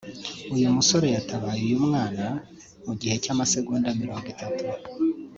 uyu musore yatabaye uyu mwana mugihe cy’amasegonda mirongo itatu